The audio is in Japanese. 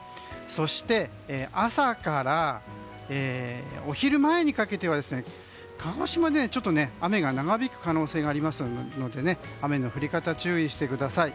そして、朝からお昼前にかけては鹿児島で雨が長引く可能性がありますので雨の降り方、注意してください。